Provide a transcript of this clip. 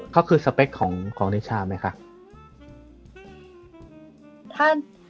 เขาคือสเปคของนิชาไหมคะ